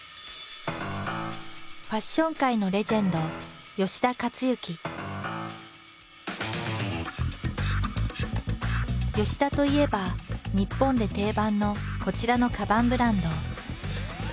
ファッション界のレジェンド田といえば日本で定番のこちらのカバンブランド。